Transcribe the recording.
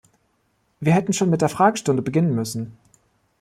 Wir hätten schon mit der Fragestunde beginnen müssen.